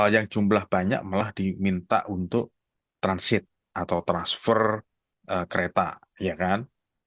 yang jumlah banyak malah diminta untuk transit atau transfer kereta ya kan